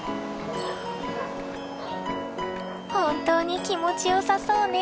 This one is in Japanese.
本当に気持ちよさそうね。